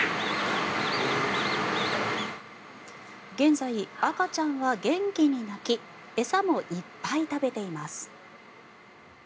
現在、赤ちゃんは元気に鳴き餌もいっぱい食べています。